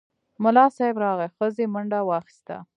ملا صیب راغی، ښځې منډه واخیسته.